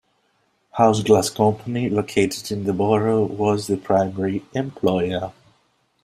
Houze Glass Company, located in the borough, was the primary employer.